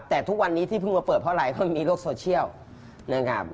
แต่ทุกวันนี้ที่เพิ่งมาเปิดเพราะไร้ก็มีโลกโซเชียล